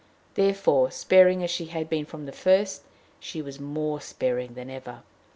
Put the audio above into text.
Therefore, sparing as she had been from the first, she was more sparing than ever.